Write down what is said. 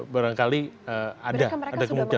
barangkali ada kemungkinan